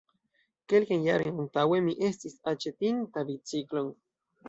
Kelkajn jarojn antaŭe mi estis aĉetinta biciklon.